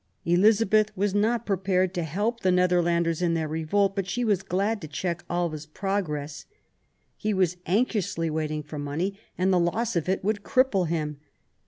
Elizabeth was not prepared to help the Netherlanders in their revolt, but she was glad to check Alva's progress. He was anxiously waiting for money, and the loss of it would cripple him.